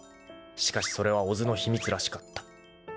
［しかしそれは小津の秘密らしかった］